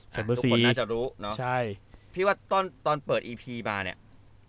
ใส่เบอร์สี่ทุกคนน่าจะรู้ใช่พี่ว่าตอนตอนเปิดอีพีมาเนี้ย